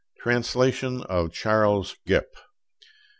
Translation of Charles Goepp.